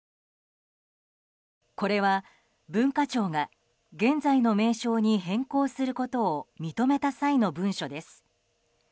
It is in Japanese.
これは、文化庁が現在の名称に変更することを認めた際の文書です。